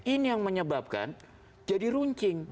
ini yang menyebabkan jadi runcing